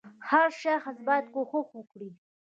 • هر شخص باید کوښښ وکړي.